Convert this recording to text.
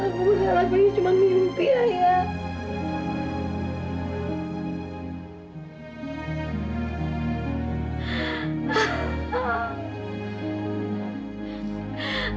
aku berharap ini cuma mimpi ya ayah